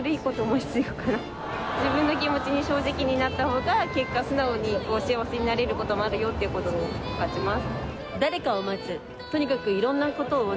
自分の気持ちに正直になった方が結果素直に幸せになれる事もあるよっていう事を感じます。